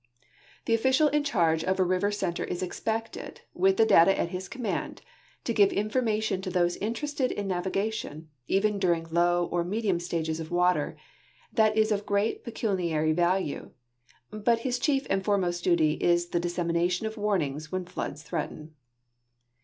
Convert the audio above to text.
The official in charge of a river center is expected, with the data at his command, to give in formation to those interested in navigation, even during low or medium stages of water, that is of great pecuniary value; but his chief and foremost duty is the dissemination of warnings when floods threaten.